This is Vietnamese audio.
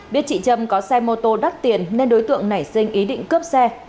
biết chị trâm có xe mô tô đắt tiền nên đối tượng nảy sinh ý định cướp xe